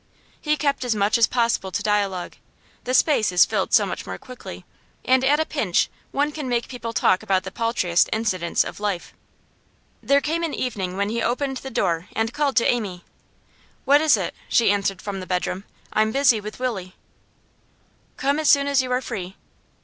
He kept as much as possible to dialogue; the space is filled so much more quickly, and at a pinch one can make people talk about the paltriest incidents of life. There came an evening when he opened the door and called to Amy. 'What is it?' she answered from the bedroom. 'I'm busy with Willie.' 'Come as soon as you are free.